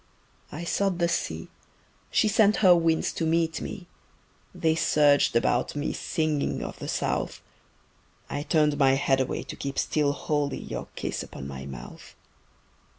I sought the sea, she sent her winds to meet me, They surged about me singing of the south I turned my head away to keep still holy Your kiss upon my mouth.